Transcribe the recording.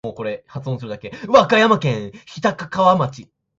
和歌山県日高川町